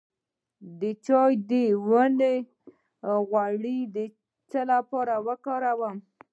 د چای د ونې غوړي د څه لپاره وکاروم؟